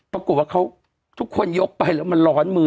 ปรากฏว่าเขาทุกคนยกไปแล้วมันร้อนมือ